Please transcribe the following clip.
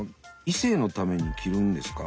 異性のために着るんですか？